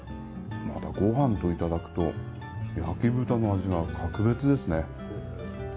またごはんといただくと焼豚の味が格別ですね。